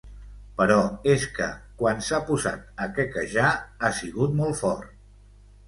Però és que quan s'ha posat a quequejar ha sigut molt fort.